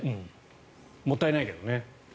もったいないけどね。